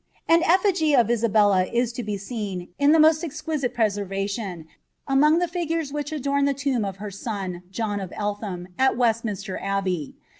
An effigy of Isabella is to be seen, in the most exquisite preservation, among the figures which adorn the tomb of her son, John of Eltliam, at Westminster Abbey.